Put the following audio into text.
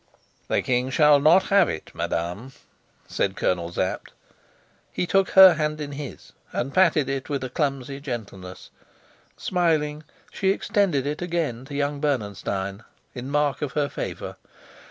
"The king shall not have it, madame," said Colonel Sapt. He took her hand in his and patted it with a clumsy gentleness; smiling, she extended it again to young Bernenstein, in mark of her favor.